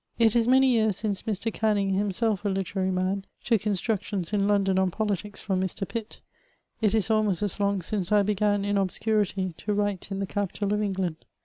'' It is many years since Mr. Canning, himself a literary man, took instructions in London on politics from Mr. Pitt ; it is almost as long since I began, in obscurity, to write in the capital of England.